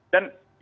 dan yang terakhir